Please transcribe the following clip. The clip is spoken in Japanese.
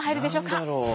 え何だろう。